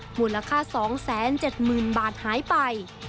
หมุนราคา๒๗๐๐๐๐บาทหายไป